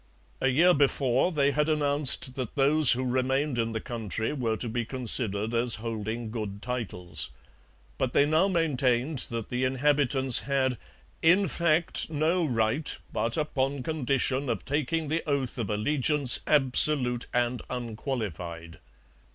A year before they had announced that those who remained in the country were to be considered as holding good titles; but they now maintained that the inhabitants had 'in fact no right, but upon condition of taking the oath of allegiance absolute and unqualified.'